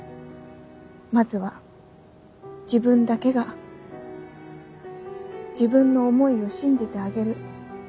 まずは自分だけが自分の思いを信じてあげる。